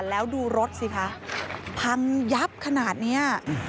แล้วดูรถสิคะพังยับขนาดนี้